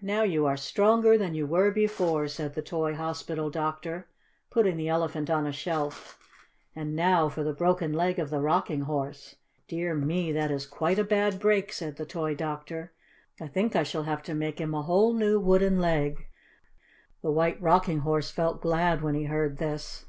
Now you are stronger than you were before," said the toy hospital doctor, putting the Elephant on a shelf. "And now for the broken leg of the Rocking Horse. Dear me, that is quite a bad break," said the toy doctor. "I think I shall have to make him a whole new wooden leg." The White Rocking Horse felt glad when he heard this.